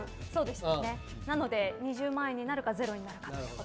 なので、２０万円になるかゼロになるか。